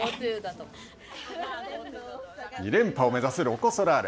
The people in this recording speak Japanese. ２連覇を目指すロコ・ソラーレ。